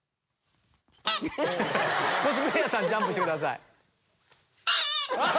コスプレーヤーさんジャンプしてください。